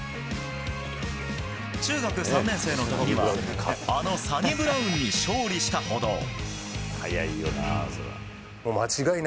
中学３年生の時にはあのサニブラウンに勝利したほど。